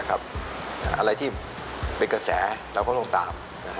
อะไรที่เป็นกระแสเราก็ต้องตาม